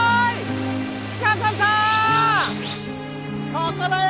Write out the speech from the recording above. ここだよ！